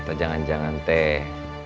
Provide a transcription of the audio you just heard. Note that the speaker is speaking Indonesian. atau jangan jangan teh